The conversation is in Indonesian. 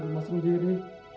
kau di rumah sendiri